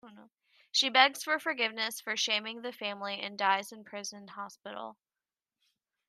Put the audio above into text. She begs for forgiveness for shaming the family, and dies in prison hospital.